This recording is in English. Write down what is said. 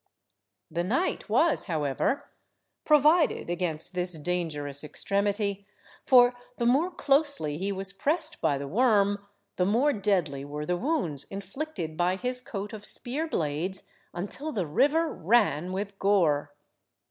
The knight was, however, provided against this dangerous extremity, for, the more closely he was pressed by the worm, the more deadly were the wounds inflicted by his coat of spear–blades, until the river ran with gore.